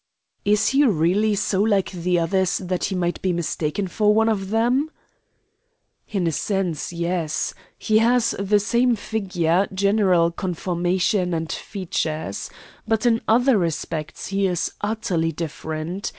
"Is he really so like the others that he might be mistaken for one of them?" "In a sense, yes. He has the same figure, general conformation, and features. But in other respects he is utterly different.